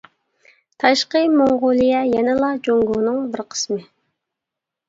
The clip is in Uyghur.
تاشقى موڭغۇلىيە يەنىلا جۇڭگونىڭ بىر قىسمى.